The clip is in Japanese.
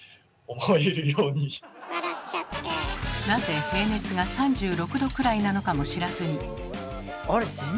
なぜ平熱が３６℃くらいなのかも知らずに。